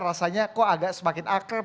rasanya kok agak semakin akrab